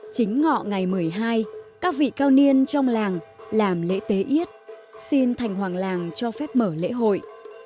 chính ngọ ngày một mươi hai các vị cao niên trong làng làm lễ tế ít xin thành hoàng làng cho phép mở lễ hội